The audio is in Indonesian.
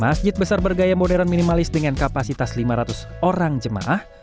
masjid besar bergaya modern minimalis dengan kapasitas lima ratus orang jemaah